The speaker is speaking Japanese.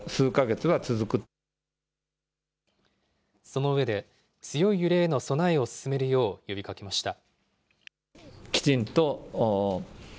その上で、強い揺れへの備えを進めるよう呼びかけました。